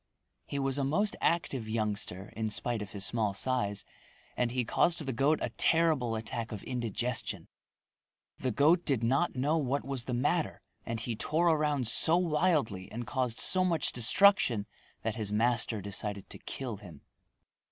He was a most active youngster in spite of his small size and he caused the goat a terrible attack of indigestion. The goat did not know what was the matter and he tore around so wildly and caused so much destruction that his master decided to kill him.